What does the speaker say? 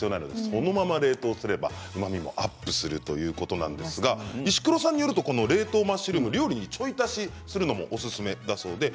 そのまま冷凍すればうまみもアップするということですが石黒さんによると冷凍マッシュルーム料理にちょい足しするのもおすすめだそうです。